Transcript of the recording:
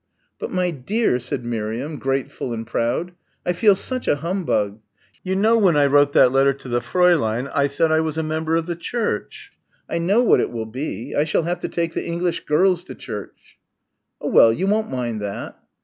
"But, my dear," said Miriam grateful and proud, "I feel such a humbug. You know when I wrote that letter to the Fräulein I said I was a member of the Church. I know what it will be, I shall have to take the English girls to church." "Oh, well, you won't mind that."